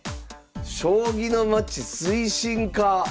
「将棋のまち推進課」！